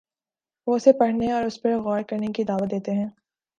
وہ اسے پڑھنے اور اس پر غور کرنے کی دعوت دیتے ہیں۔